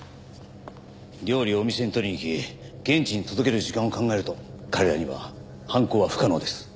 料理をお店に取りに行き現地に届ける時間を考えると彼らには犯行は不可能です。